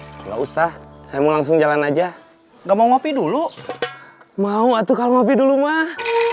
ngopi dulu enggak usah saya mau langsung jalan aja nggak mau ngopi dulu mau atuh kalau dulu mah